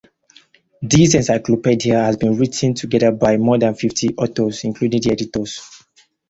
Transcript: This encyclopedia has been written together by more than fifty authors including the editor.